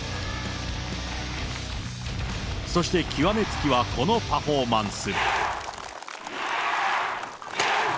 そして極めつきは、このパフォーマンス。